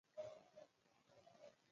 طبیعي ګټه اخله.